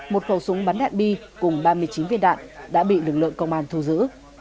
một khẩu súng bắn đạn bi cùng ba mươi chín viên đạn đã bị lực lượng công an thu giữ